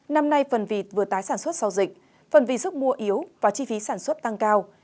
năm nay phần vịt vừa tái sản xuất sau dịch phần vì sức mua yếu và chi phí sản xuất tăng cao